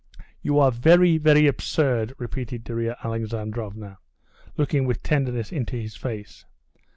"You are very, very absurd," repeated Darya Alexandrovna, looking with tenderness into his face.